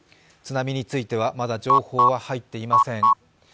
津波についてはまだ情報は入ってません。